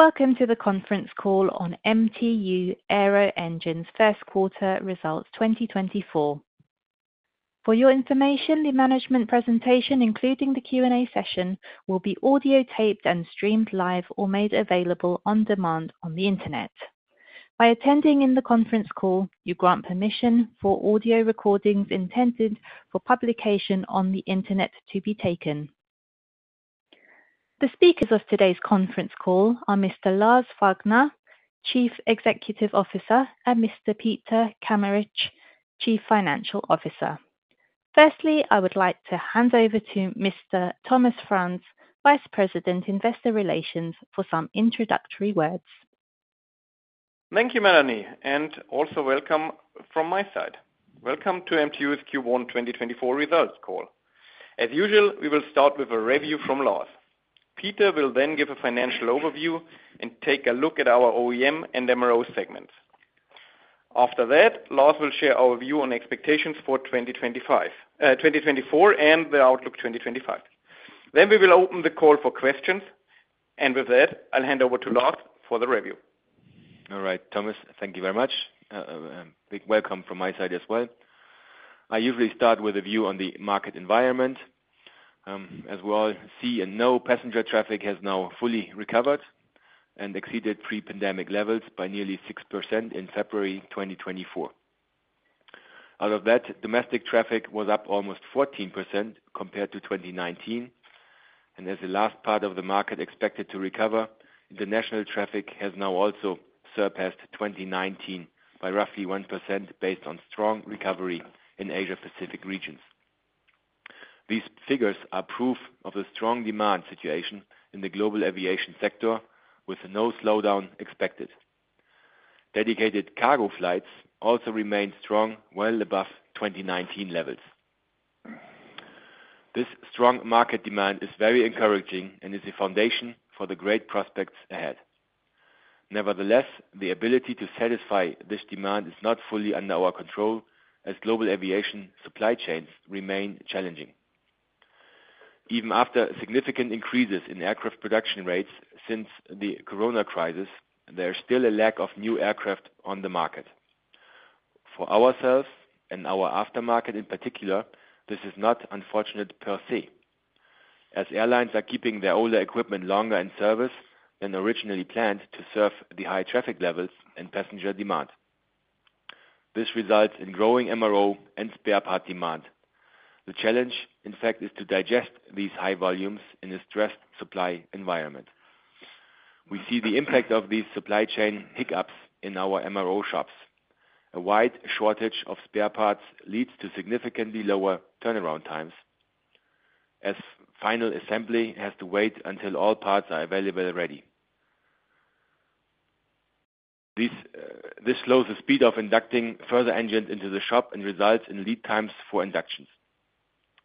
Welcome to the conference call on MTU Aero Engines first quarter results 2024. For your information, the management presentation, including the Q&A session, will be audio-taped and streamed live or made available on demand on the internet. By attending in the conference call, you grant permission for audio recordings intended for publication on the internet to be taken. The speakers of today's conference call are Mr. Lars Wagner, Chief Executive Officer, and Mr. Peter Kameritsch, Chief Financial Officer. Firstly, I would like to hand over to Mr. Thomas Franz, Vice President Investor Relations, for some introductory words. Thank you, Melanie, and also welcome from my side. Welcome to MTU's Q1 2024 results call. As usual, we will start with a review from Lars. Peter will then give a financial overview and take a look at our OEM and MRO segments. After that, Lars will share our view on expectations for 2024 and the outlook 2025. Then we will open the call for questions, and with that, I'll hand over to Lars for the review. All right, Thomas, thank you very much. Big welcome from my side as well. I usually start with a view on the market environment. As we all see and know, passenger traffic has now fully recovered and exceeded pre-pandemic levels by nearly 6% in February 2024. Out of that, domestic traffic was up almost 14% compared to 2019, and as the last part of the market expected to recover, international traffic has now also surpassed 2019 by roughly 1% based on strong recovery in Asia-Pacific regions. These figures are proof of the strong demand situation in the global aviation sector, with no slowdown expected. Dedicated cargo flights also remain strong, well above 2019 levels. This strong market demand is very encouraging and is a foundation for the great prospects ahead. Nevertheless, the ability to satisfy this demand is not fully under our control, as global aviation supply chains remain challenging. Even after significant increases in aircraft production rates since the corona crisis, there is still a lack of new aircraft on the market. For ourselves and our aftermarket in particular, this is not unfortunate per se, as airlines are keeping their older equipment longer in service than originally planned to serve the high traffic levels and passenger demand. This results in growing MRO and spare part demand. The challenge, in fact, is to digest these high volumes in a stressed supply environment. We see the impact of these supply chain hiccups in our MRO shops. A wide shortage of spare parts leads to significantly lower turnaround times, as final assembly has to wait until all parts are available ready. This slows the speed of inducting further engines into the shop and results in lead times for inductions.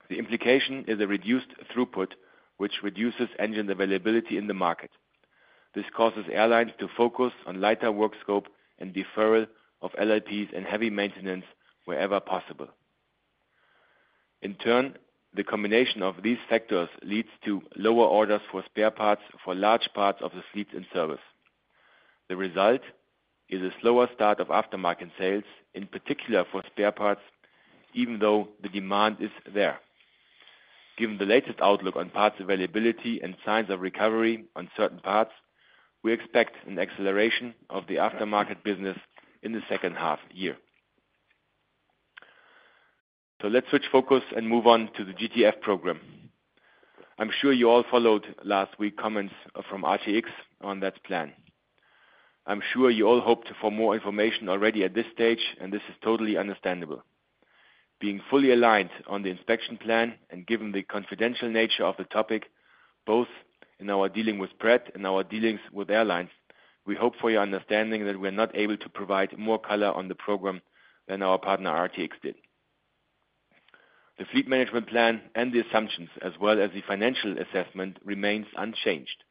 The implication is a reduced throughput, which reduces engine availability in the market. This causes airlines to focus on lighter work scope and deferral of LLPs and heavy maintenance wherever possible. In turn, the combination of these factors leads to lower orders for spare parts for large parts of the fleets in service. The result is a slower start of aftermarket sales, in particular for spare parts, even though the demand is there. Given the latest outlook on parts availability and signs of recovery on certain parts, we expect an acceleration of the aftermarket business in the second half year. So let's switch focus and move on to the GTF program. I'm sure you all followed last week's comments from RTX on that plan. I'm sure you all hoped for more information already at this stage, and this is totally understandable. Being fully aligned on the inspection plan and given the confidential nature of the topic, both in our dealing with Pratt and our dealings with airlines, we hope for your understanding that we are not able to provide more color on the program than our partner RTX did. The fleet management plan and the assumptions, as well as the financial assessment, remains unchanged.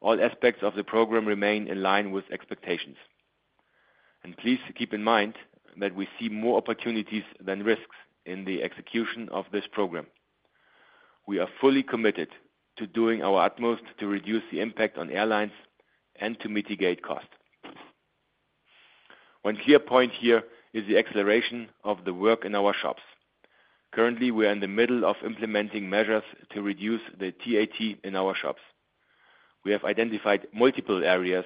All aspects of the program remain in line with expectations. Please keep in mind that we see more opportunities than risks in the execution of this program. We are fully committed to doing our utmost to reduce the impact on airlines and to mitigate cost. One clear point here is the acceleration of the work in our shops. Currently, we are in the middle of implementing measures to reduce the TAT in our shops. We have identified multiple areas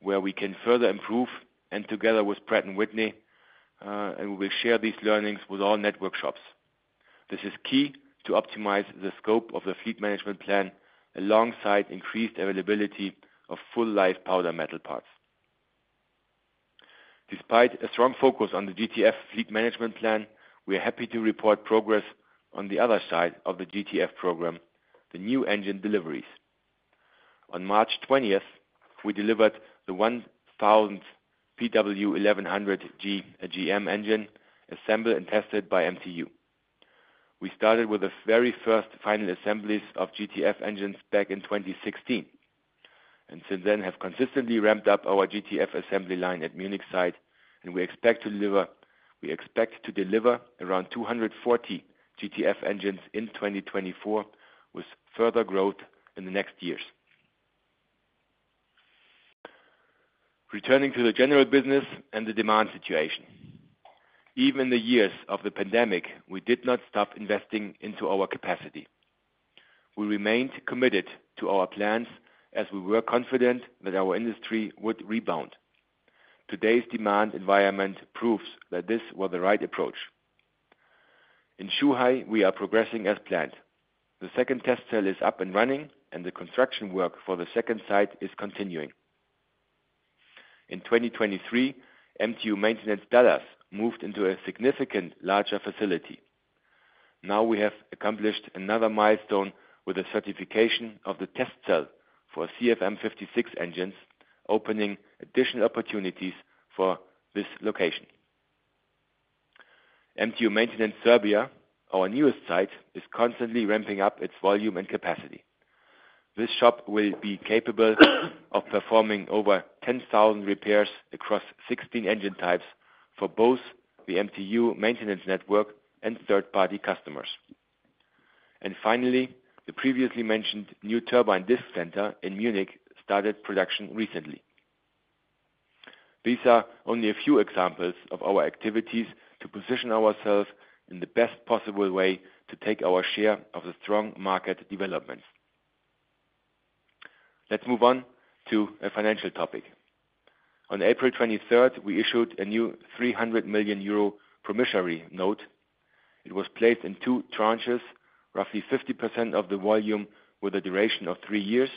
where we can further improve, and together with Pratt & Whitney, we will share these learnings with all network shops. This is key to optimize the scope of the fleet management plan alongside increased availability of full-life powder metal parts. Despite a strong focus on the GTF fleet management plan, we are happy to report progress on the other side of the GTF program, the new engine deliveries. On March 20th, we delivered the 1,000th PW1100G-JM engine, assembled and tested by MTU. We started with the very first final assemblies of GTF engines back in 2016 and since then have consistently ramped up our GTF assembly line at Munich site, and we expect to deliver around 240 GTF engines in 2024 with further growth in the next years. Returning to the general business and the demand situation. Even in the years of the pandemic, we did not stop investing into our capacity. We remained committed to our plans as we were confident that our industry would rebound. Today's demand environment proves that this was the right approach. In Zhuhai, we are progressing as planned. The second test cell is up and running, and the construction work for the second site is continuing. In 2023, MTU Maintenance Dallas moved into a significantly larger facility. Now we have accomplished another milestone with the certification of the test cell for CFM56 engines, opening additional opportunities for this location. MTU Maintenance Serbia, our newest site, is constantly ramping up its volume and capacity. This shop will be capable of performing over 10,000 repairs across 16 engine types for both the MTU Maintenance network and third-party customers. And finally, the previously mentioned new turbine disk center in Munich started production recently. These are only a few examples of our activities to position ourselves in the best possible way to take our share of the strong market developments. Let's move on to a financial topic. On April 23rd, we issued a new 300 million euro promissory note. It was placed in two tranches, roughly 50% of the volume with a duration of three years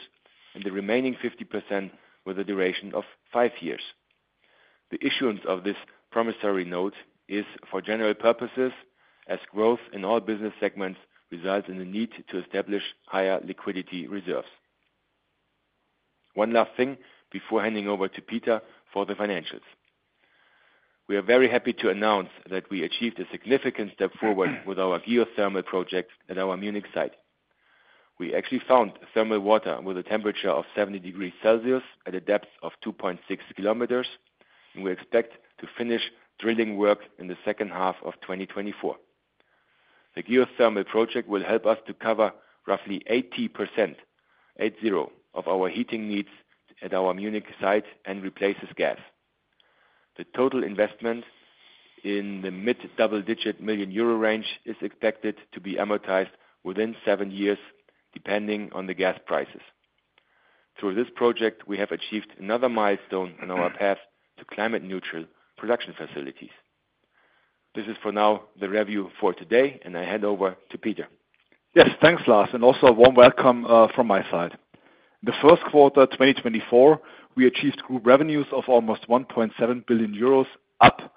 and the remaining 50% with a duration of five years. The issuance of this promissory note is for general purposes, as growth in all business segments results in the need to establish higher liquidity reserves. One last thing before handing over to Peter for the financials. We are very happy to announce that we achieved a significant step forward with our geothermal project at our Munich site. We actually found thermal water with a temperature of 70°C at a depth of 2.6 km, and we expect to finish drilling work in the second half of 2024. The geothermal project will help us to cover roughly 80% of our heating needs at our Munich site and replaces gas. The total investment in the EUR mid-double-digit million range is expected to be amortized within seven years, depending on the gas prices. Through this project, we have achieved another milestone on our path to climate-neutral production facilities. This is for now the review for today, and I hand over to Peter. Yes, thanks, Lars, and also a warm welcome from my side. In the first quarter 2024, we achieved group revenues of almost 1.7 billion euros, up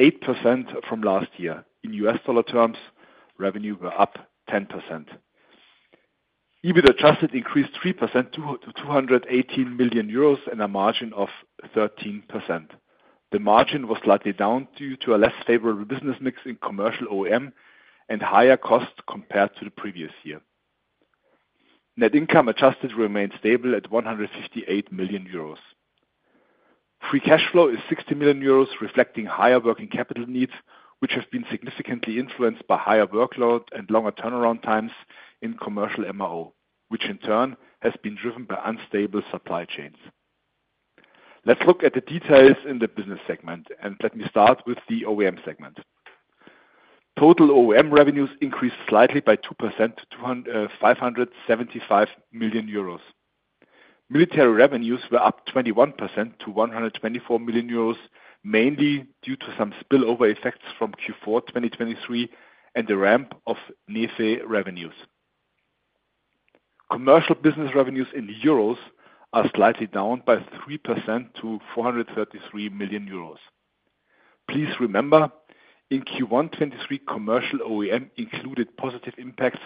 8% from last year. In US dollar terms, revenue were up 10%. EBITDA adjusted increased 3% to 218 million euros and a margin of 13%. The margin was slightly down due to a less favorable business mix in commercial OEM and higher costs compared to the previous year. Net income adjusted remained stable at 158 million euros. Free cash flow is 60 million euros, reflecting higher working capital needs, which have been significantly influenced by higher workload and longer turnaround times in commercial MRO, which in turn has been driven by unstable supply chains. Let's look at the details in the business segment, and let me start with the OEM segment. Total OEM revenues increased slightly by 2% to 575 million euros. Military revenues were up 21% to 124 million euros, mainly due to some spillover effects from Q4 2023 and the ramp of NGFE revenues. Commercial business revenues in euros are slightly down by 3% to 433 million euros. Please remember, in Q1 2023, commercial OEM included positive impacts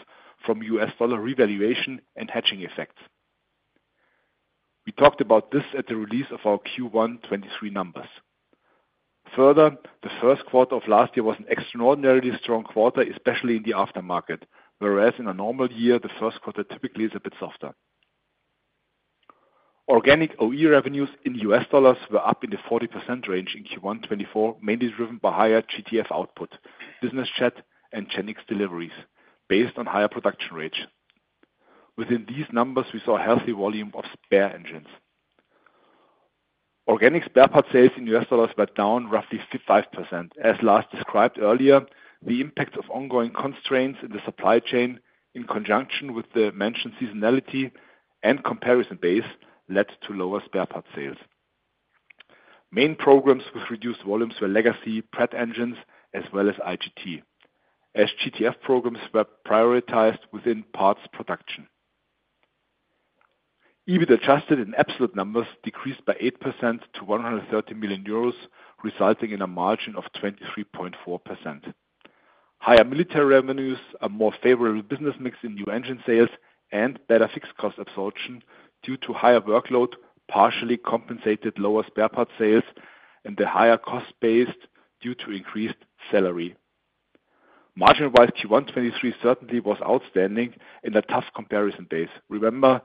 from US dollar revaluation and hedging effects. We talked about this at the release of our Q1 2023 numbers. Further, the first quarter of last year was an extraordinarily strong quarter, especially in the aftermarket, whereas in a normal year, the first quarter typically is a bit softer. Organic OE revenues in US dollars were up in the 40% range in Q1 2024, mainly driven by higher GTF output, business jet, and GEnx deliveries based on higher production rates. Within these numbers, we saw a healthy volume of spare engines. Organic spare part sales in US dollars went down roughly 5%. As Lars described earlier, the impacts of ongoing constraints in the supply chain, in conjunction with the mentioned seasonality and comparison base, led to lower spare part sales. Main programs with reduced volumes were legacy Pratt engines as well as IGT, as GTF programs were prioritized within parts production. EBITDA adjusted in absolute numbers decreased by 8% to 130 million euros, resulting in a margin of 23.4%. Higher military revenues, a more favorable business mix in new engine sales, and better fixed cost absorption due to higher workload partially compensated lower spare part sales and the higher cost base due to increased salary. Margin-wise, Q1 2023 certainly was outstanding in a tough comparison base. Remember,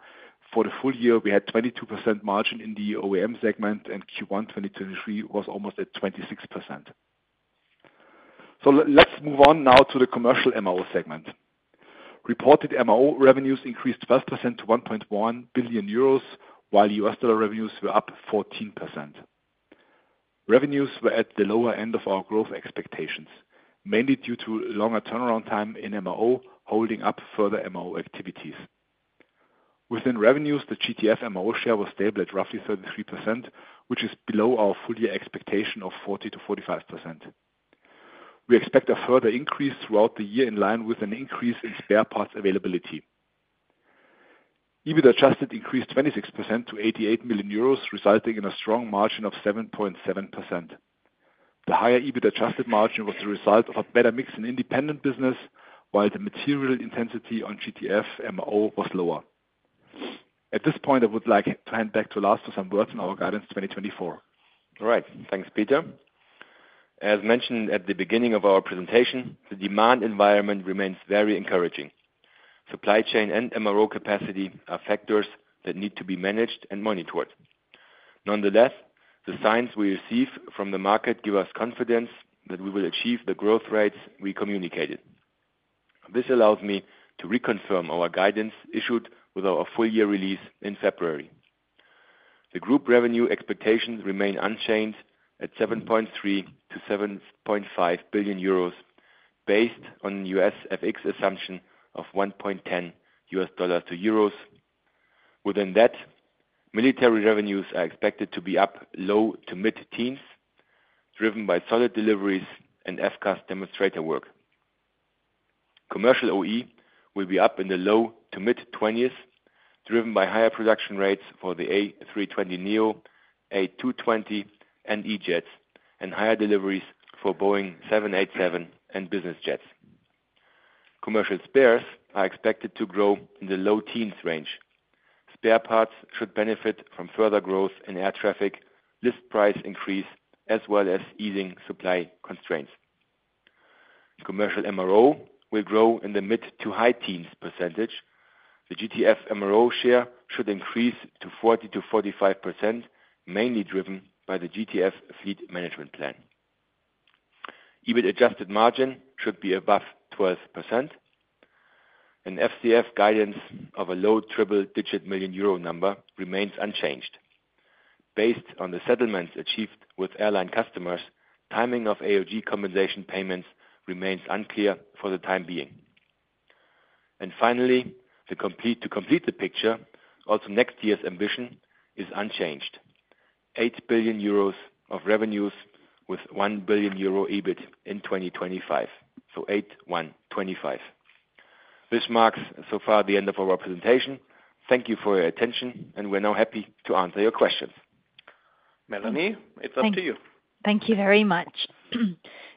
for the full-year, we had 22% margin in the OEM segment, and Q1 2023 was almost at 26%. Let's move on now to the commercial MRO segment. Reported MRO revenues increased 12% to 1.1 billion euros, while US dollar revenues were up 14%. Revenues were at the lower end of our growth expectations, mainly due to longer turnaround time in MRO holding up further MRO activities. Within revenues, the GTF MRO share was stable at roughly 33%, which is below our full-year expectation of 40%-45%. We expect a further increase throughout the year in line with an increase in spare parts availability. EBITDA adjusted increased 26% to 88 million euros, resulting in a strong margin of 7.7%. The higher EBITDA adjusted margin was the result of a better mix in independent business, while the material intensity on GTF MRO was lower. At this point, I would like to hand back to Lars for some words on our guidance 2024. All right. Thanks, Peter. As mentioned at the beginning of our presentation, the demand environment remains very encouraging. Supply chain and MRO capacity are factors that need to be managed and monitored. Nonetheless, the signs we receive from the market give us confidence that we will achieve the growth rates we communicated. This allows me to reconfirm our guidance issued with our full-year release in February. The group revenue expectations remain unchanged at 7.3-7.5 billion euros based on the U.S. FX assumption of $1.10 to euros. Within that, military revenues are expected to be up low to mid-teens, driven by solid deliveries and FCAS demonstrator work. Commercial OE will be up in the low to mid-20s, driven by higher production rates for the A320neo, A220, and E-Jets, and higher deliveries for Boeing 787 and business jets. Commercial spares are expected to grow in the low-teens range. Spare parts should benefit from further growth in air traffic, list price increase, as well as easing supply constraints. Commercial MRO will grow in the mid- to high-teens %. The GTF MRO share should increase to 40%-45%, mainly driven by the GTF fleet management plan. EBITDA adjusted margin should be above 12%. An FCF guidance of a low triple-digit million EUR number remains unchanged. Based on the settlements achieved with airline customers, timing of AOG compensation payments remains unclear for the time being. And finally, to complete the picture, also next year's ambition is unchanged: 8 billion euros of revenues with 1 billion euro EBIT in 2025. So 8-1-25. This marks, so far, the end of our presentation. Thank you for your attention, and we're now happy to answer your questions. Melanie, it's up to you. Thank you very much.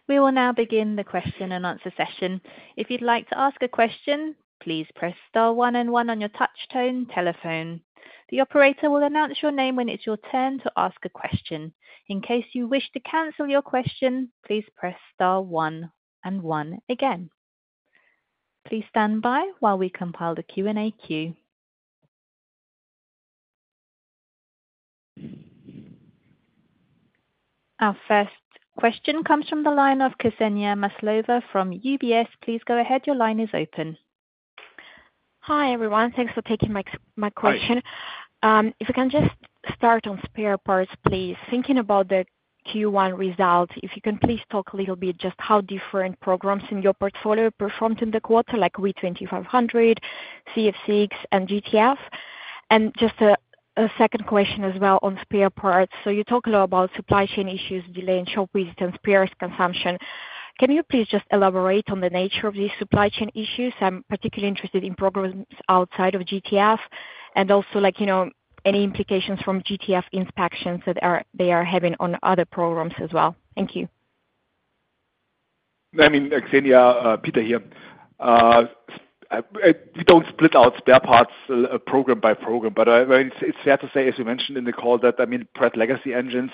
We will now begin the question and answer session. If you'd like to ask a question, please press star one and one on your touchtone telephone. The operator will announce your name when it's your turn to ask a question. In case you wish to cancel your question, please press star one and one again. Please stand by while we compile the Q&A queue. Our first question comes from the line of Ksenia Maslova from UBS. Please go ahead. Your line is open. Hi, everyone. Thanks for taking my question. If we can just start on spare parts, please. Thinking about the Q1 result, if you can please talk a little bit just how different programs in your portfolio performed in the quarter, like V2500, CF6, and GTF. And just a second question as well on spare parts. So you talk a lot about supply chain issues, delay in shop visits, and spares consumption. Can you please just elaborate on the nature of these supply chain issues? I'm particularly interested in programs outside of GTF and also any implications from GTF inspections that they are having on other programs as well. Thank you. I mean, Ksenia, Peter here. We don't split out spare parts program by program, but it's fair to say, as you mentioned in the call, that Pratt legacy engines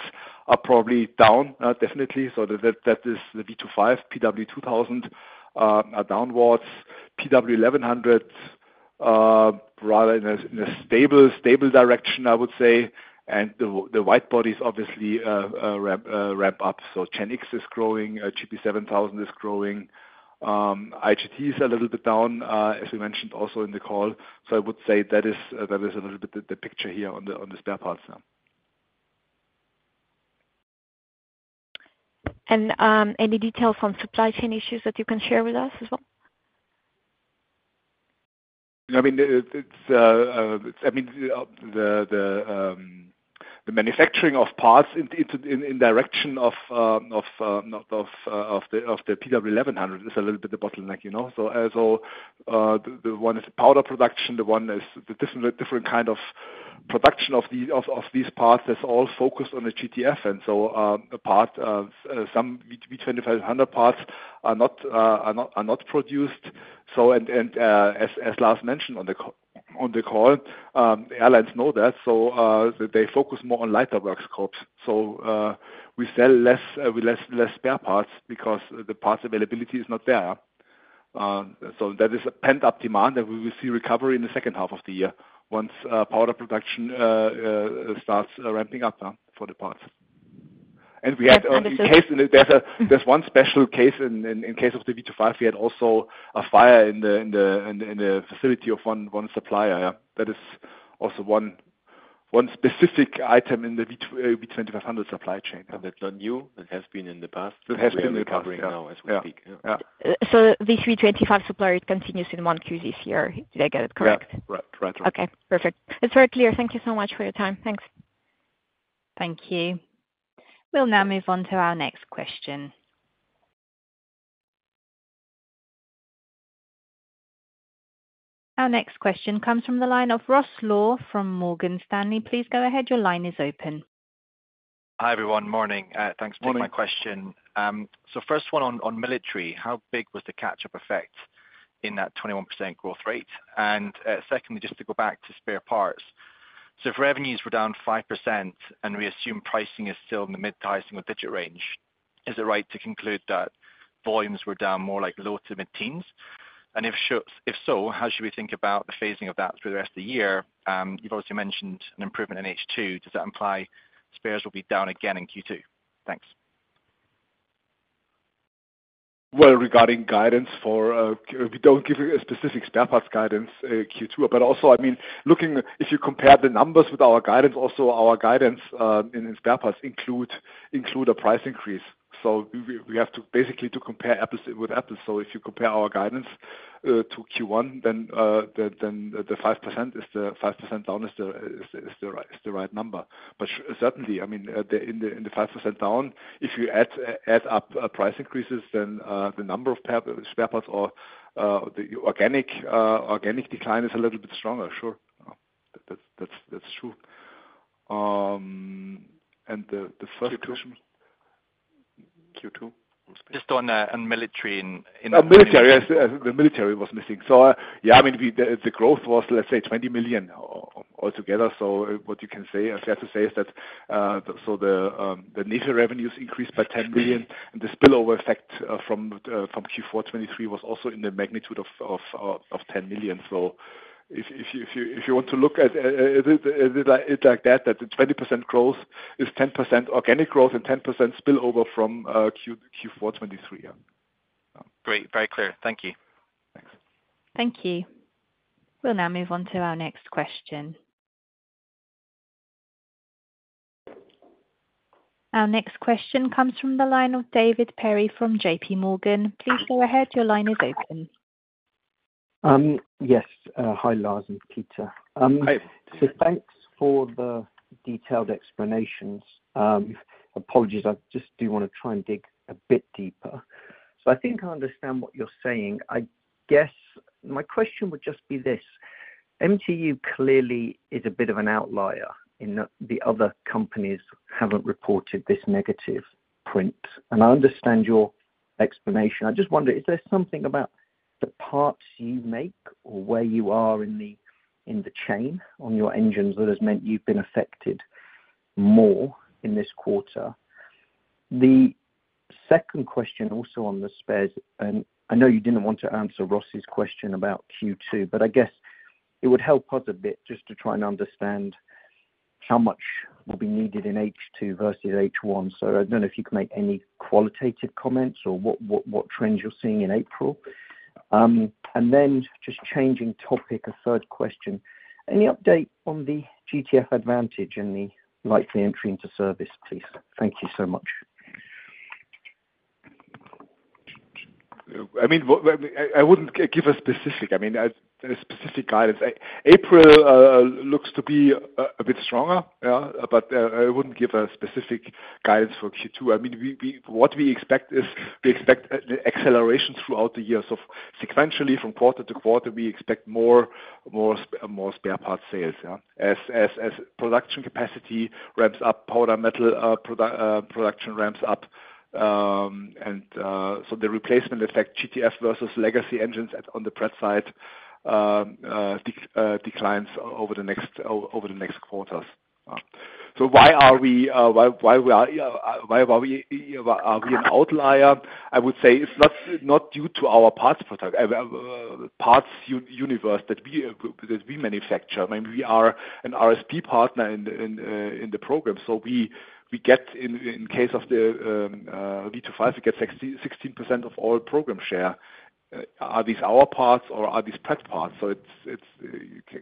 are probably down, definitely. So that is the V2500, PW2000, downwards. PW1100, rather in a stable direction, I would say. And the widebodies, obviously, ramp up. So GEnx is growing. GP7000 is growing. IGT is a little bit down, as we mentioned also in the call. So I would say that is a little bit the picture here on the spare parts now. Any details on supply chain issues that you can share with us as well? I mean, I mean, the manufacturing of parts in direction of the PW1100 is a little bit the bottleneck. So one is powder production. The one is the different kind of production of these parts that's all focused on the GTF. And so some V2500 parts are not produced. And as Lars mentioned on the call, airlines know that. So they focus more on lighter workscopes. So we sell less spare parts because the parts availability is not there. So that is a pent-up demand that we will see recovery in the second half of the year once powder production starts ramping up for the parts. And we had in case there's one special case. In case of the V2500, we had also a fire in the facility of one supplier. That is also one specific item in the V2500 supply chain. That's not new. That has been in the past, recovering now as we speak. This V25 supplier continues in one queue this year. Did I get it correct? Yeah. Right. Right. Right. Okay. Perfect. It's very clear. Thank you so much for your time. Thanks. Thank you. We'll now move on to our next question. Our next question comes from the line of Ross Law from Morgan Stanley. Please go ahead. Your line is open. Hi, everyone. Morning. Thanks for taking my question. So first one on military, how big was the catch-up effect in that 21% growth rate? And secondly, just to go back to spare parts. So if revenues were down 5% and we assume pricing is still in the mid- to high single-digit range, is it right to conclude that volumes were down more like low- to mid-teens? And if so, how should we think about the phasing of that through the rest of the year? You've also mentioned an improvement in H2. Does that imply spares will be down again in Q2? Thanks. Well, regarding guidance, we don't give a specific spare parts guidance for Q2. But also, I mean, if you compare the numbers with our guidance, also our guidance in spare parts include a price increase. So we have to basically compare apples with apples. So if you compare our guidance to Q1, then the 5% down is the right number. But certainly, I mean, in the 5% down, if you add up price increases, then the number of spare parts or the organic decline is a little bit stronger. Sure. That's true. And the first question. Q2? Just on military in. Military, yes. The military was missing. So yeah, I mean, the growth was, let's say, 20 million altogether. So what you can say, fair to say, is that so the NGFE revenues increased by 10 million, and the spillover effect from Q4 2023 was also in the magnitude of 10 million. So if you want to look at it like that, that the 20% growth is 10% organic growth and 10% spillover from Q4 2023. Great. Very clear. Thank you. Thanks. Thank you. We'll now move on to our next question. Our next question comes from the line of David Perry from JPMorgan. Please go ahead. Your line is open. Yes. Hi, Lars and Peter. So thanks for the detailed explanations. Apologies, I just do want to try and dig a bit deeper. So I think I understand what you're saying. My question would just be this: MTU clearly is a bit of an outlier in that the other companies haven't reported this negative print. And I understand your explanation. I just wonder, is there something about the parts you make or where you are in the chain on your engines that has meant you've been affected more in this quarter? The second question also on the spares and I know you didn't want to answer Ross's question about Q2, but I guess it would help us a bit just to try and understand how much will be needed in H2 versus H1. I don't know if you can make any qualitative comments or what trends you're seeing in April. Then, just changing topic, a third question. Any update on the GTF Advantage and the likely entry into service, please? Thank you so much. I mean, I wouldn't give a specific guidance. April looks to be a bit stronger, but I wouldn't give a specific guidance for Q2. I mean, what we expect is we expect an acceleration throughout the year. So sequentially, from quarter to quarter, we expect more spare part sales. As production capacity ramps up, powder metal production ramps up, and so the replacement effect, GTF versus legacy engines on the Pratt side, declines over the next quarters. So why are we an outlier? I would say it's not due to our parts universe that we manufacture. I mean, we are an RSP partner in the program. So in case of the V2500, we get 16% of all program share. Are these our parts, or are these Pratt parts? So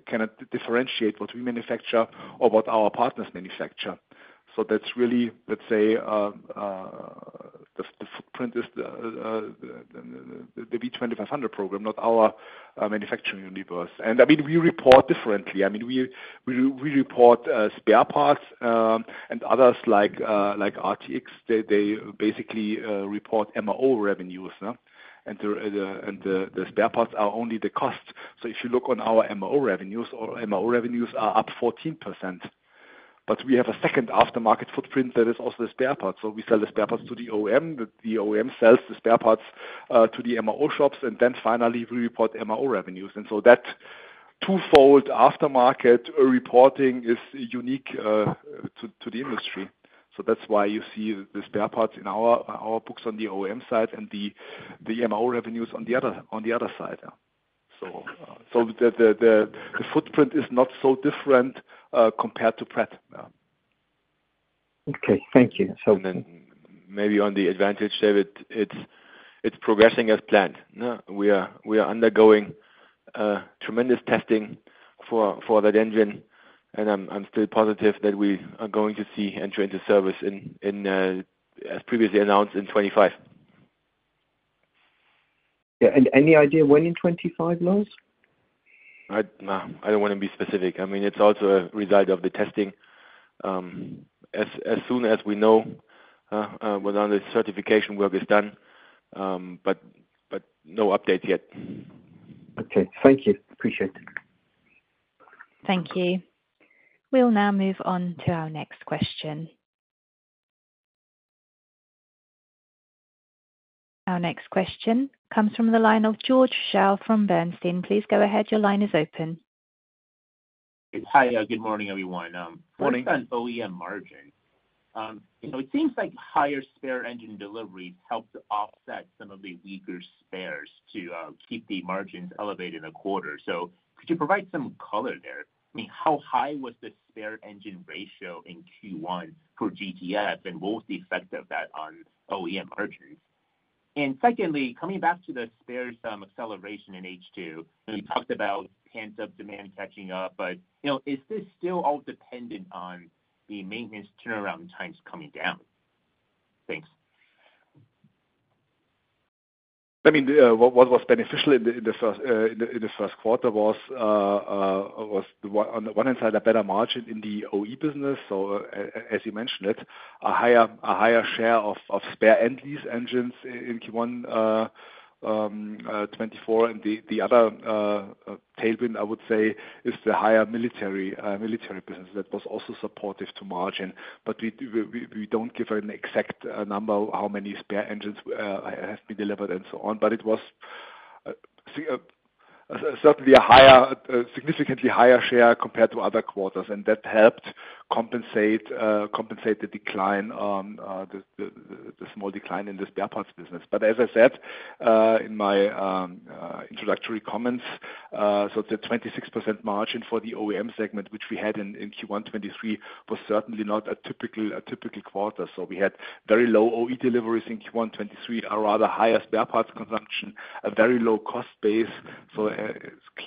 can it differentiate what we manufacture or what our partners manufacture? So that's really, let's say, the footprint is the V2500 program, not our manufacturing universe. And I mean, we report differently. I mean, we report spare parts and others like RTX. They basically report MRO revenues. And the spare parts are only the cost. So if you look on our MRO revenues, MRO revenues are up 14%. But we have a second aftermarket footprint that is also the spare parts. So we sell the spare parts to the OEM. The OEM sells the spare parts to the MRO shops, and then finally, we report MRO revenues. And so that twofold aftermarket reporting is unique to the industry. So that's why you see the spare parts in our books on the OEM side and the MRO revenues on the other side. So the footprint is not so different compared to Pratt. Okay. Thank you. So. And then maybe on the advantage, David, it's progressing as planned. We are undergoing tremendous testing for that engine, and I'm still positive that we are going to see entry into service as previously announced in 2025. Yeah. And any idea when in 2025, Lars? I don't want to be specific. I mean, it's also a result of the testing. As soon as we know when all the certification work is done, but no updates yet. Okay. Thank you. Appreciate it. Thank you. We'll now move on to our next question. Our next question comes from the line of George Zhao from Bernstein. Please go ahead. Your line is open. Hi. Good morning, everyone. Morning. First on OEM margin. It seems like higher spare engine deliveries helped offset some of the weaker spares to keep the margins elevated in the quarter. So could you provide some color there? I mean, how high was the spare engine ratio in Q1 for GTF, and what was the effect of that on OEM margins? And secondly, coming back to the spares acceleration in H2, we talked about pent-up demand catching up, but is this still all dependent on the maintenance turnaround times coming down? Thanks. I mean, what was beneficial in the first quarter was, on the one hand, a better margin in the OE business. So as you mentioned it, a higher share of spare engines in Q1 2024. And the other tailwind, I would say, is the higher military business that was also supportive to margin. But we don't give an exact number how many spare engines have been delivered and so on. But it was certainly a significantly higher share compared to other quarters. And that helped compensate the decline, the small decline in the spare parts business. But as I said in my introductory comments, so the 26% margin for the OEM segment, which we had in Q1 2023, was certainly not a typical quarter. So we had very low OE deliveries in Q1 2023, a rather higher spare parts consumption, a very low cost base. So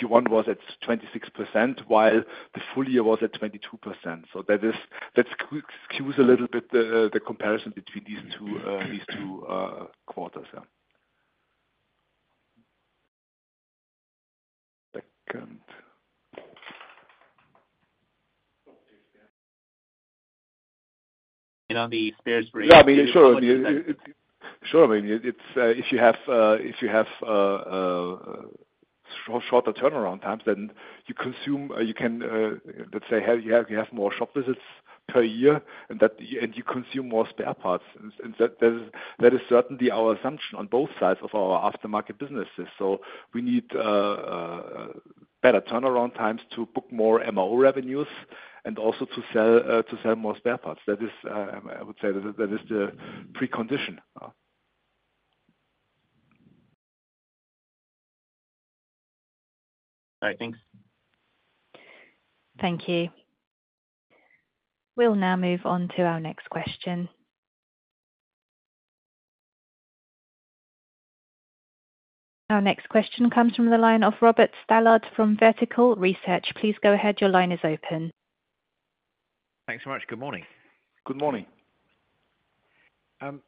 Q1 was at 26%, while the full-year was at 22%. So that skews a little bit the comparison between these two quarters. Second. On the spares ratio. Yeah. I mean, sure. Sure. I mean, if you have shorter turnaround times, then you can consume let's say, you have more shop visits per year, and you consume more spare parts. And that is certainly our assumption on both sides of our aftermarket businesses. So we need better turnaround times to book more MRO revenues and also to sell more spare parts. I would say that is the precondition. All right. Thanks. Thank you. We'll now move on to our next question. Our next question comes from the line of Robert Stallard from Vertical Research. Please go ahead. Your line is open. Thanks so much. Good morning. Good morning.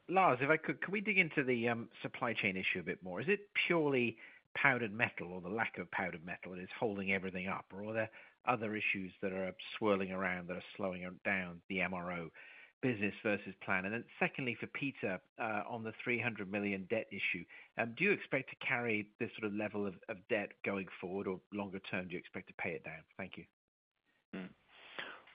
Lars, if I could, can we dig into the supply chain issue a bit more? Is it purely powdered metal or the lack of powdered metal that is holding everything up, or are there other issues that are swirling around that are slowing down the MRO business versus plan? And then secondly, for Peter on the 300 million debt issue, do you expect to carry this sort of level of debt going forward, or longer term, do you expect to pay it down? Thank you.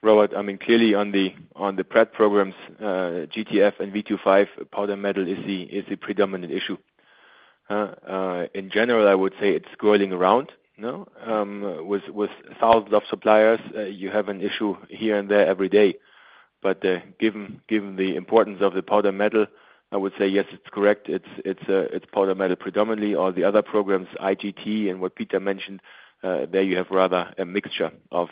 Right. I mean, clearly, on the Pratt programs, GTF and V25, powder metal is the predominant issue. In general, I would say it's squirreling around. With thousands of suppliers, you have an issue here and there every day. But given the importance of the powder metal, I would say, yes, it's correct. It's powder metal predominantly. All the other programs, IGT and what Peter mentioned, there you have rather a mixture of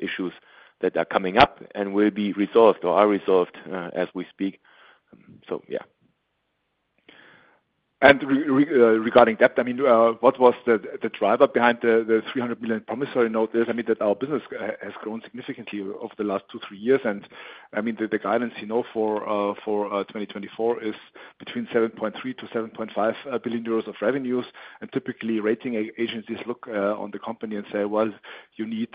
issues that are coming up and will be resolved or are resolved as we speak. So yeah. Regarding debt, I mean, what was the driver behind the 300 million promissory note? I mean, that our business has grown significantly over the last two, three years. And I mean, the guidance for 2024 is between 7.3-7.5 billion euros of revenues. And typically, rating agencies look on the company and say, "Well, you need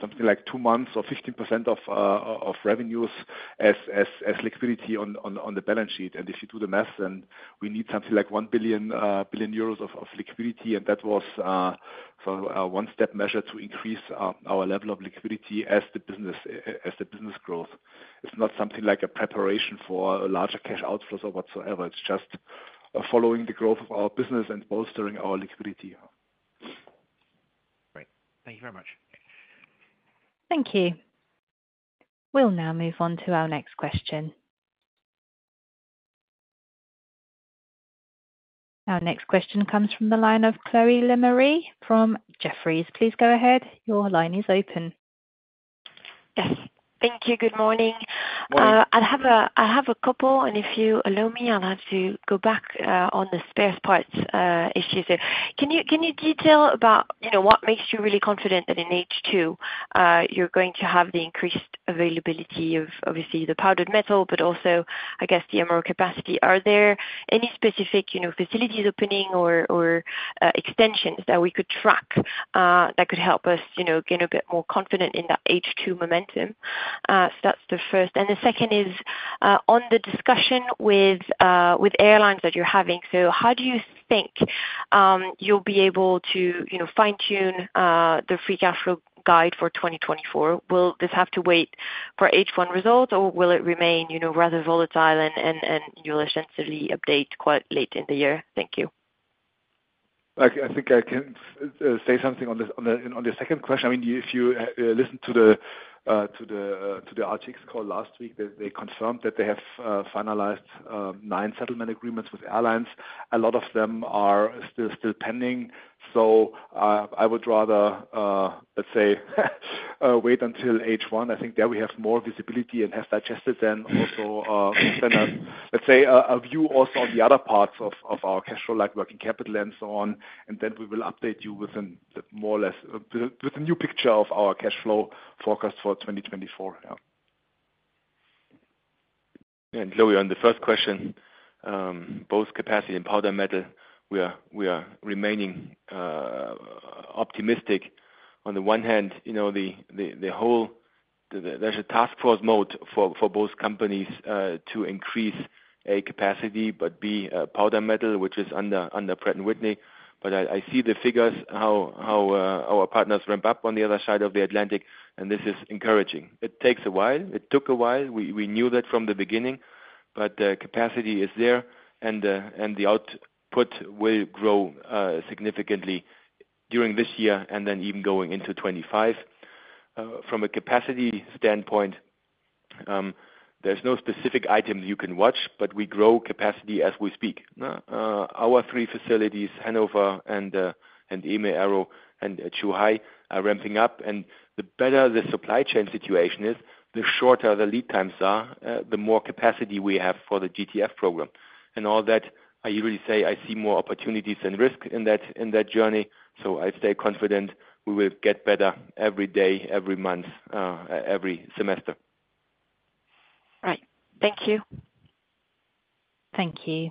something like two months or 15% of revenues as liquidity on the balance sheet." And if you do the math, then we need something like 1 billion euros of liquidity. And that was sort of a one-step measure to increase our level of liquidity as the business growth. It's not something like a preparation for a larger cash outflow or whatsoever. It's just following the growth of our business and bolstering our liquidity. Great. Thank you very much. Thank you. We'll now move on to our next question. Our next question comes from the line of Chloe Lemarie from Jefferies. Please go ahead. Your line is open. Yes. Thank you. Good morning. I have a couple. And if you allow me, I'll have to go back on the spare parts issue. So can you detail about what makes you really confident that in H2, you're going to have the increased availability of, obviously, the powdered metal, but also, I guess, the MRO capacity? Are there any specific facilities opening or extensions that we could track that could help us gain a bit more confidence in that H2 momentum? So that's the first. And the second is on the discussion with airlines that you're having. So how do you think you'll be able to fine-tune the free cash flow guide for 2024? Will this have to wait for H1 results, or will it remain rather volatile and you'll essentially update quite late in the year? Thank you. I think I can say something on the second question. I mean, if you listened to the RTX call last week, they confirmed that they have finalized nine settlement agreements with airlines. A lot of them are still pending. So I would rather, let's say, wait until H1. I think there we have more visibility and have digested then also, let's say, a view also on the other parts of our cash flow like working capital and so on. And then we will update you with a new picture of our cash flow forecast for 2024. Chloe, on the first question, both capacity and powder metal, we are remaining optimistic. On the one hand, there's a task force mode for both companies to increase A, capacity, but B, powder metal, which is under Pratt &Whitney. But I see the figures, how our partners ramp up on the other side of the Atlantic, and this is encouraging. It takes a while. It took a while. We knew that from the beginning. But capacity is there, and the output will grow significantly during this year and then even going into 2025. From a capacity standpoint, there's no specific item you can watch, but we grow capacity as we speak. Our three facilities, Hannover and EME Aero and Zhuhai, are ramping up. And the better the supply chain situation is, the shorter the lead times are, the more capacity we have for the GTF program. All that, I usually say, I see more opportunities than risk in that journey. So I stay confident we will get better every day, every month, every semester. Right. Thank you. Thank you.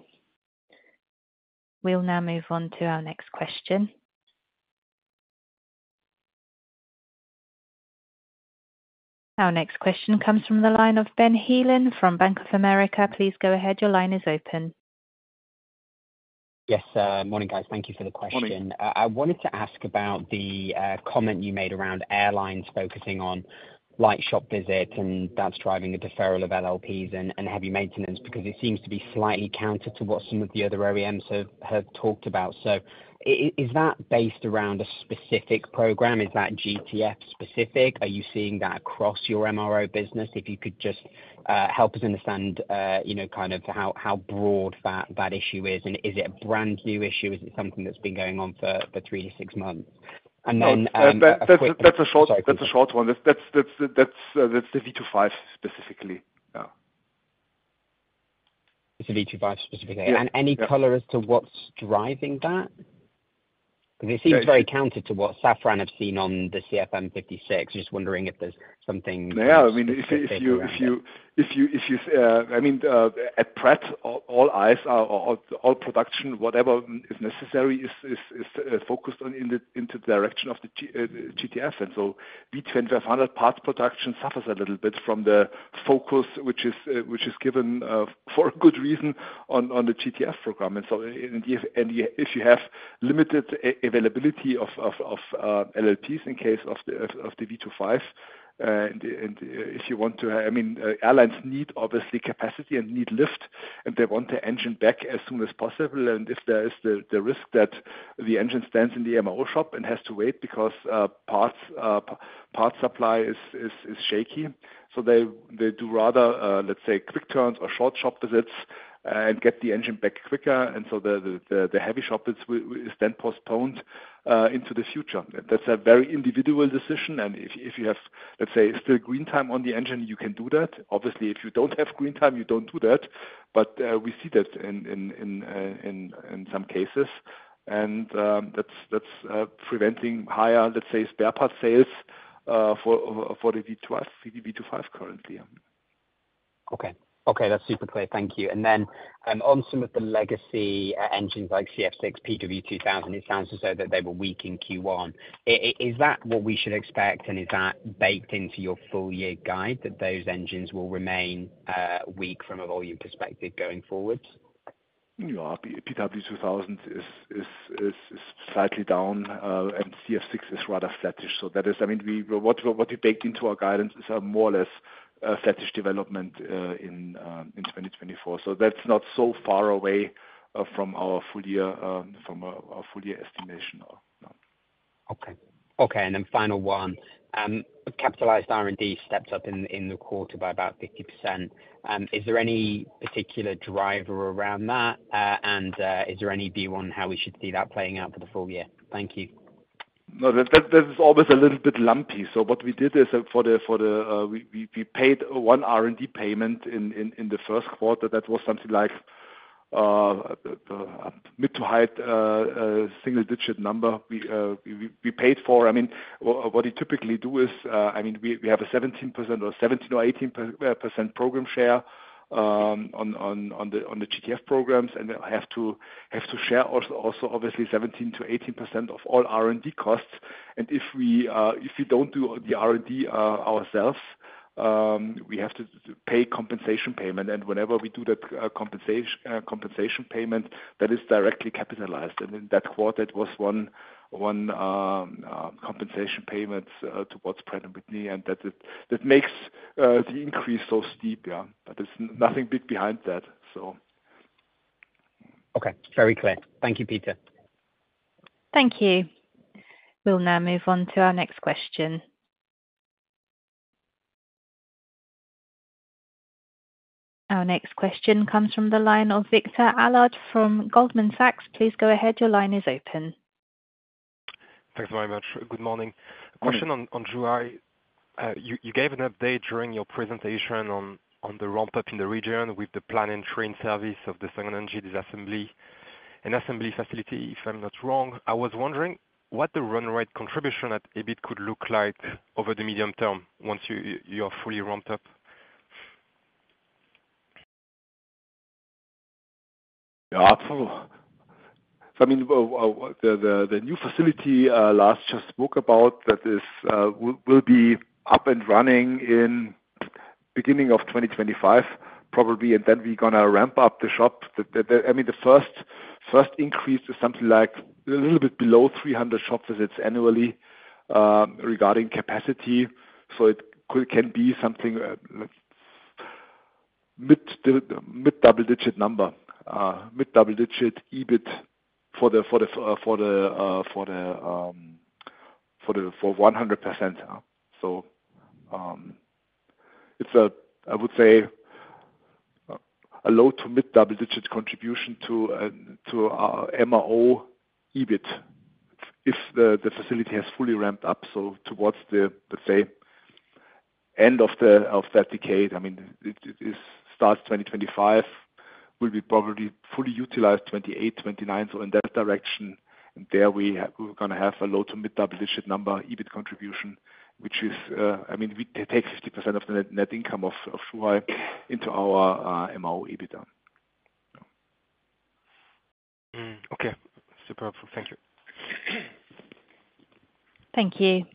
We'll now move on to our next question. Our next question comes from the line of Ben Heelan from Bank of America. Please go ahead. Your line is open. Yes. Morning, guys. Thank you for the question. I wanted to ask about the comment you made around airlines focusing on light shop visits, and that's driving a deferral of LLPs and heavy maintenance because it seems to be slightly counter to what some of the other OEMs have talked about. So is that based around a specific program? Is that GTF-specific? Are you seeing that across your MRO business? If you could just help us understand kind of how broad that issue is. And is it a brand new issue? Is it something that's been going on for three to six months? And then. That's a short one. That's the V25 specifically. It's a V2500 specifically. Any color as to what's driving that? Because it seems very counter to what Safran have seen on the CFM56. Just wondering if there's something specific there. Yeah. I mean, if you I mean, at Pratt, all eyes, all production, whatever is necessary, is focused into the direction of the GTF. And so V2500 parts production suffers a little bit from the focus, which is given for a good reason on the GTF program. And so if you have limited availability of LLPs in case of the V2500, and if you want to I mean, airlines need, obviously, capacity and need lift, and they want the engine back as soon as possible. And if there is the risk that the engine stands in the MRO shop and has to wait because parts supply is shaky, so they do rather, let's say, quick turns or short shop visits and get the engine back quicker. And so the heavy shop is then postponed into the future. That's a very individual decision. If you have, let's say, still green time on the engine, you can do that. Obviously, if you don't have green time, you don't do that. But we see that in some cases. That's preventing higher, let's say, spare part sales for the V2500 currently. Okay. Okay. That's super clear. Thank you. And then on some of the legacy engines like CF6 PW2000, it sounds as though that they were weak in Q1. Is that what we should expect, and is that baked into your full-year guide that those engines will remain weak from a volume perspective going forward? Yeah. PW2000 is slightly down, and CF6 is rather flatish. So that is, I mean, what we baked into our guidance is more or less flatish development in 2024. So that's not so far away from our full-year estimation. Okay. Okay. And then final one. Capitalized R&D stepped up in the quarter by about 50%. Is there any particular driver around that, and is there any view on how we should see that playing out for the full-year? Thank you. No. This is always a little bit lumpy. So what we did is for the we paid one R&D payment in the first quarter. That was something like a mid-to-high single-digit number we paid for. I mean, what we typically do is I mean, we have a 17,000 or 17% or 18% program share on the GTF programs, and we have to share also, obviously, 17%-18% of all R&D costs. And if we don't do the R&D ourselves, we have to pay compensation payment. And whenever we do that compensation payment, that is directly capitalized. And in that quarter, it was one compensation payment towards Pratt & Whitney. And that makes the increase so steep. Yeah. But there's nothing big behind that, so. Okay. Very clear. Thank you, Peter. Thank you. We'll now move on to our next question. Our next question comes from the line of Victor Allard from Goldman Sachs. Please go ahead. Your line is open. Thanks very much. Good morning. Question on Zhuhai. You gave an update during your presentation on the ramp-up in the region with the planned entry into service of the new Nanjing Disassembly and Assembly Facility, if I'm not wrong. I was wondering what the run-rate contribution at EBIT could look like over the medium term once you are fully ramped up. Yeah. Absolutely. I mean, the new facility Lars just spoke about that will be up and running in the beginning of 2025, probably. And then we're going to ramp up the shop. I mean, the first increase is something like a little bit below 300 shop visits annually regarding capacity. So it can be something mid-double-digit number, mid-double-digit EBIT for 100%. So it's, I would say, a low- to mid-double-digit contribution to our MRO EBIT if the facility has fully ramped up. So towards the, let's say, end of that decade, I mean, it starts 2025, will be probably fully utilized 2028, 2029, so in that direction. And there we're going to have a low- to mid-double-digit number EBIT contribution, which is I mean, we take 50% of the net income of Zhuhai into our MRO EBITDA. Okay. Super helpful. Thank you. Thank you.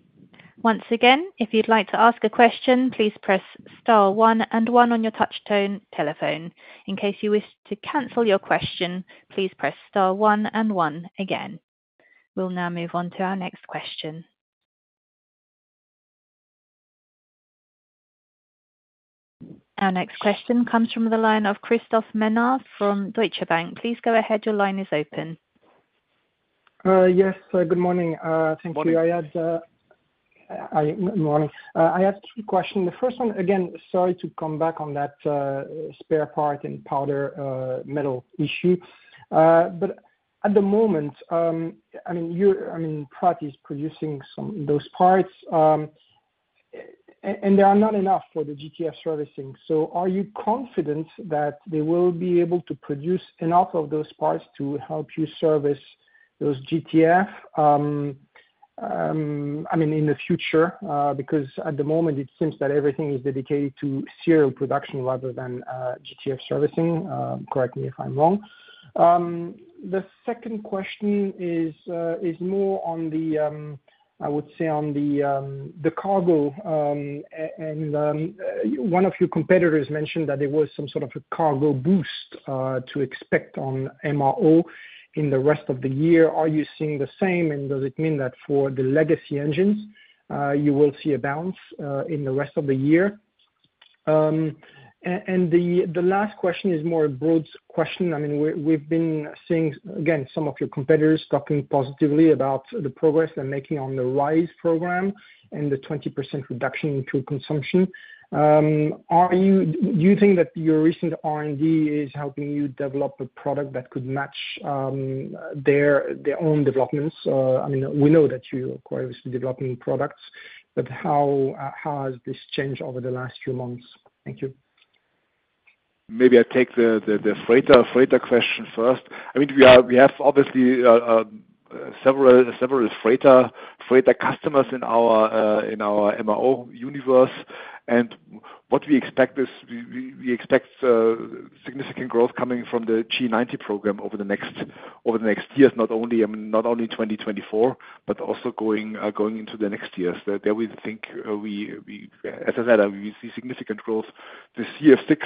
Once again, if you'd like to ask a question, please press star one and one on your touchtone telephone. In case you wish to cancel your question, please press star 1 and 1 again. We'll now move on to our next question. Our next question comes from the line of Christophe Menard from Deutsche Bank. Please go ahead. Your line is open. Yes. Good morning. Thank you. Good morning. I had two questions. The first one, again, sorry to come back on that spare part and powder metal issue. But at the moment, I mean, Pratt is producing some of those parts, and there are not enough for the GTF servicing. So are you confident that they will be able to produce enough of those parts to help you service those GTF, I mean, in the future? Because at the moment, it seems that everything is dedicated to serial production rather than GTF servicing. Correct me if I'm wrong. The second question is more on the, I would say, on the cargo. And one of your competitors mentioned that there was some sort of a cargo boost to expect on MRO in the rest of the year. Are you seeing the same? Does it mean that for the legacy engines, you will see a bounce in the rest of the year? The last question is more a broad question. I mean, we've been seeing, again, some of your competitors talking positively about the progress they're making on the RISE program and the 20% reduction in fuel consumption. Do you think that your recent R&D is helping you develop a product that could match their own developments? I mean, we know that you're obviously developing products, but how has this changed over the last few months? Thank you. Maybe I take the freighter question first. I mean, we have, obviously, several freighter customers in our MRO universe. What we expect is we expect significant growth coming from the GE90 program over the next years, not only 2024, but also going into the next years. There we think we, as I said, we see significant growth. The CF6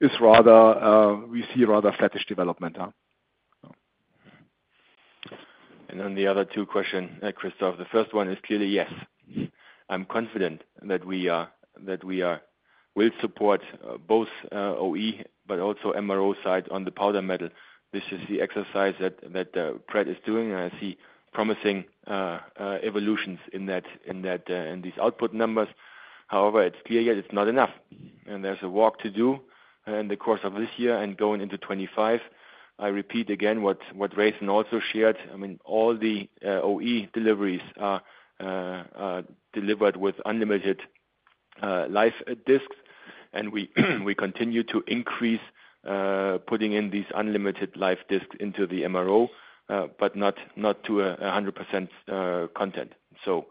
is rather we see rather flatish development. And then the other two questions, Christophe. The first one is clearly yes. I'm confident that we will support both OE but also MRO side on the powder metal. This is the exercise that Pratt is doing, and I see promising evolutions in these output numbers. However, it's clear yet it's not enough. And there's a walk to do in the course of this year and going into 2025. I repeat again what Raytheon also shared. I mean, all the OE deliveries are delivered with unlimited life discs. And we continue to increase putting in these unlimited life discs into the MRO, but not to 100% content. So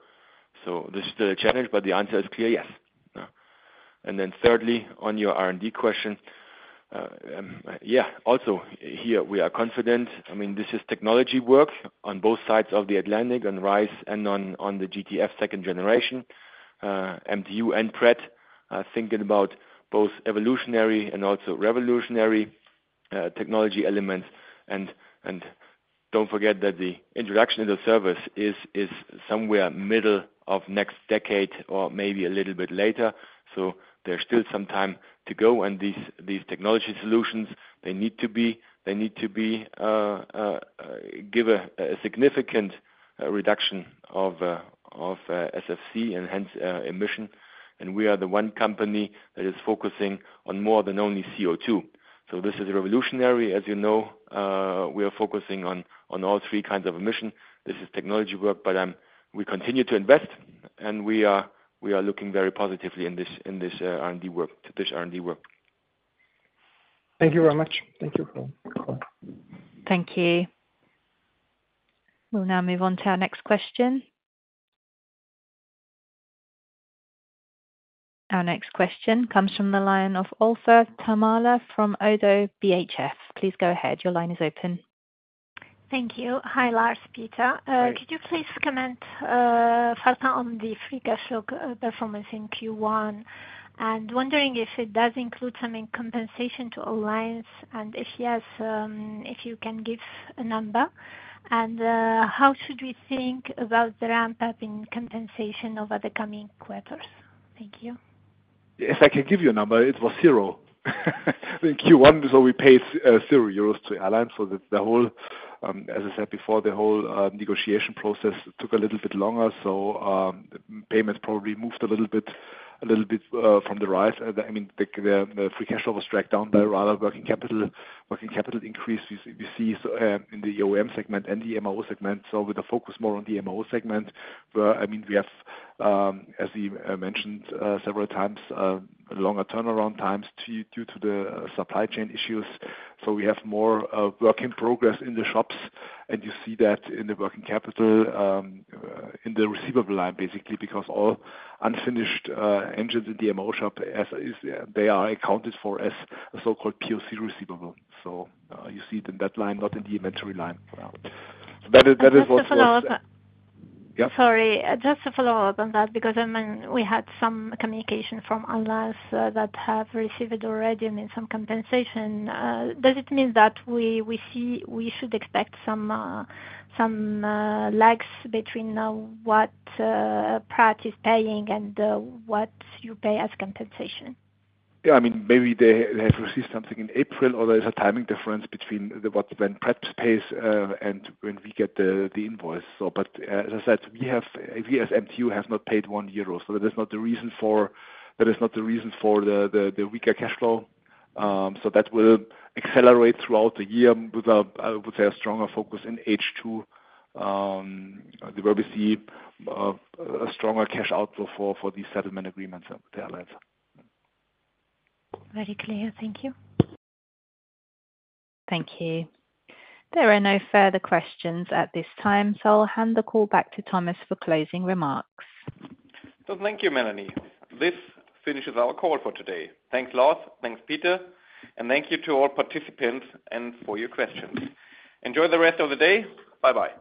this is still a challenge, but the answer is clear, yes. And then thirdly, on your R&D question, yeah, also here, we are confident. I mean, this is technology work on both sides of the Atlantic, on RISE and on the GTF second generation, MTU and Pratt thinking about both evolutionary and also revolutionary technology elements. And don't forget that the introduction of the service is somewhere middle of next decade or maybe a little bit later. So there's still some time to go. And these technology solutions, they need to give a significant reduction of SFC and hence emission. And we are the one company that is focusing on more than only CO2. So this is revolutionary. As you know, we are focusing on all three kinds of emission. This is technology work, but we continue to invest, and we are looking very positively in this R&D work. Thank you very much. Thank you. Thank you. We'll now move on to our next question. Our next question comes from the line of Olfa Taamallah from Oddo BHF. Please go ahead. Your line is open. Thank you. Hi, Lars, Peter. Could you please comment further on the free cash flow performance in Q1? And wondering if it does include some compensation to Engine Alliance and if you can give a number. And how should we think about the ramp-up in compensation over the coming quarters? Thank you. If I can give you a number, it was zero. In Q1, so we paid 0 euros to Alliance. So the whole, as I said before, the whole negotiation process took a little bit longer. So payments probably moved a little bit from the rise. I mean, the free cash flow was dragged down by rather working capital increase we see in the OEM segment and the MRO segment. So with a focus more on the MRO segment, I mean, we have, as we mentioned several times, longer turnaround times due to the supply chain issues. So we have more work in progress in the shops, and you see that in the working capital, in the receivable line, basically, because all unfinished engines in the MRO shop, they are accounted for as a so-called POC receivable. So you see it in that line, not in the inventory line. That is what we're saying. Sorry. Just to follow up on that because, I mean, we had some communication from Alliance that we have received already, I mean, some compensation. Does it mean that we should expect some lags between what Pratt is paying and what you pay as compensation? Yeah. I mean, maybe they have received something in April, or there is a timing difference between when Pratt pays and when we get the invoice. But as I said, we as MTU have not paid 1 euro. So that is not the reason for the weaker cash flow. So that will accelerate throughout the year with, I would say, a stronger focus in H2. There will be a stronger cash outflow for these settlement agreements with the Alliance. Very clear. Thank you. Thank you. There are no further questions at this time, so I'll hand the call back to Thomas for closing remarks. Thank you, Melanie. This finishes our call for today. Thanks, Lars. Thanks, Peter. Thank you to all participants and for your questions. Enjoy the rest of the day. Bye-bye.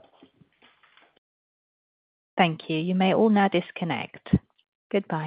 Thank you. You may all now disconnect. Goodbye.